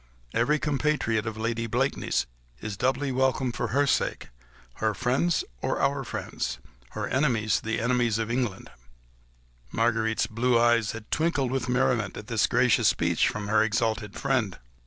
Every compatriot of Lady Blakeney's is doubly welcome for her sake ... her friends are our friends ... her enemies, the enemies of England." Marguerite's blue eyes had twinkled with merriment at this gracious speech from her exalted friend.